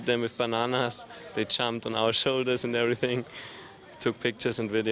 dan dia akan tinggal di sini beberapa hari dengan sekitar satu orang